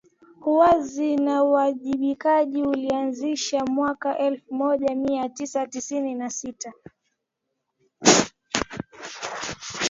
uwazi na uwajibikaji ulianzishwa mwaka elfu moja mia tisa tisini na sita